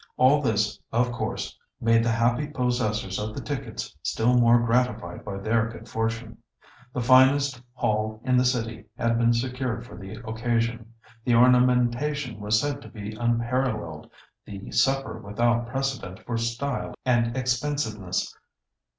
All this, of course, made the happy possessors of the tickets still more gratified by their good fortune. The finest hall in the city had been secured for the occasion. The ornamentation was said to be unparalleled, the supper without precedent for style and expensiveness.